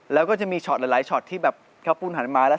แล้วก็จะมีช็อตหลายช็อตที่แบบข้าวปุ้นหันมาแล้ว